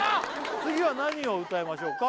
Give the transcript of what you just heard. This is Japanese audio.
次は何を歌いましょうか？